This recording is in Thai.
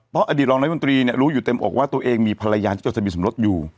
เพราะอดีตรองนายมนตรีเนี่ยรู้อยู่เต็มอกว่าตัวเองมีภรรยาที่จดทะเบียนสมรสอยู่